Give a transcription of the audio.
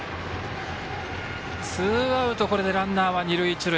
ツーアウトこれでランナーは二塁一塁。